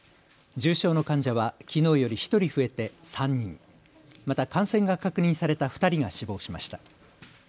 重症の患者はきのうより１人増えて３人、また感染が確認された２人が死亡しました。